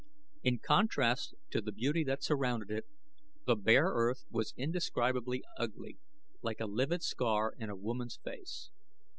In contrast to the beauty that surrounded it, the bare earth was indescribably ugly, like a livid scar in a woman's face.